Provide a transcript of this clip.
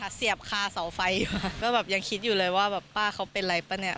เสียบคาเสาไฟอยู่ก็แบบยังคิดอยู่เลยว่าแบบป้าเขาเป็นอะไรป่ะเนี่ย